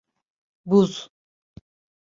Buz?